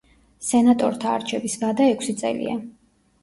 სენატორთა არჩევის ვადა ექვსი წელია.